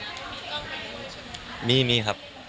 สัญญาณมันมีก็มีใช่มั้ย